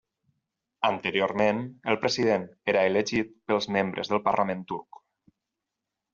Anteriorment, el president era elegit pels membres del Parlament turc.